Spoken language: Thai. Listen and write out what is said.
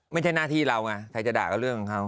ไม่ใช่หน้าที่เราไงใครจะด่าก็เรื่องของเขา